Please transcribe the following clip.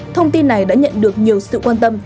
thông tin này đã nhận được nhiều sự quan tâm